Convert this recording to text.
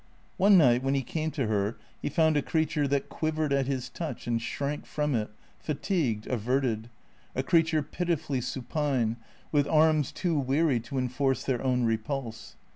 One night, when he came to her, he found a creature that quivered at his touch and shrank from it, fatigued, averted; a creature pitifully supine, with arms too weary to enforce their own repulse.